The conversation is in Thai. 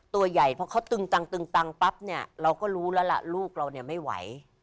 ตัวใหญ่เพราะเขาตึงตังตึงตังปั๊บเนี่ยเราก็รู้แล้วล่ะลูกเราเนี่ยไม่ไหว